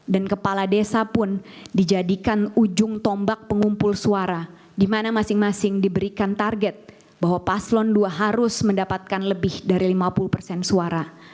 dan kepala desa pun dijadikan ujung tombak pengumpul suara di mana masing masing diberikan target bahwa paslon ii harus mendapatkan lebih dari lima puluh suara